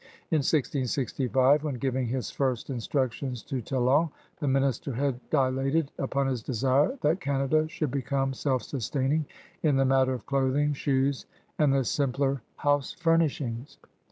In 1665, when giving his first instructions to Talon, the minister had dilated upon his desire that Canada should become self sustaining in the matter of clothing, shoes, and the simpler house furnishings.